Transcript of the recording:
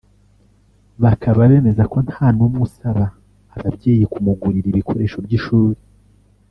bakaba bemeza ko nta n’umwe usaba ababyeyi kumugurira ibikoresho by’ishuri